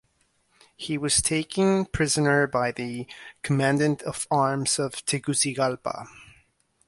He was then taken prisoner by the Commandant of Arms of Tegucigalpa.